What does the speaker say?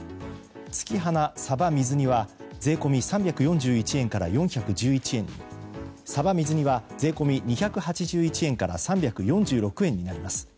月花さば水煮は税込み３４１円から４１１円にさば水煮は、税込み２８１円から３４６円になります。